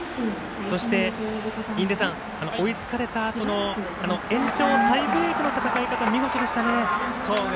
そして、追いつかれたあとの延長タイブレークの戦い方見事でしたね。